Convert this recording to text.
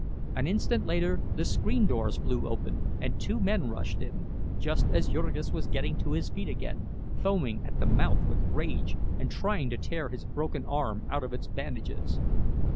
An instant later the screen doors flew open, and two men rushed in—just as Jurgis was getting to his feet again, foaming at the mouth with rage, and trying to tear his broken arm out of its bandages.